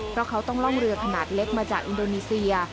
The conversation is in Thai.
เพราะเขาต้องล่องเรือขนาดเล็กมาจากอินโดนีเซีย